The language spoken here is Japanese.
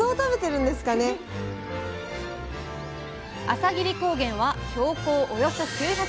朝霧高原は標高およそ９００ｍ。